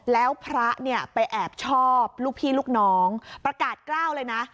แล้วพระเนี่ยไปแอบชอบลูกพี่ลูกน้องประกาศกล้าวเลยนะ